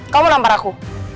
kamu nampar aku